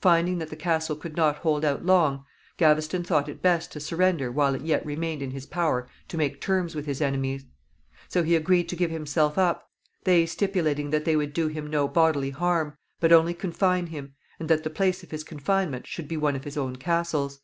Finding that the castle could not hold out long, Gaveston thought it best to surrender while it yet remained in his power to make terms with his enemies; so he agreed to give himself up, they stipulating that they would do him no bodily harm, but only confine him, and that the place of his confinement should be one of his own castles.